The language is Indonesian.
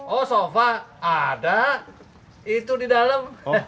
oh sofa ada itu di dalam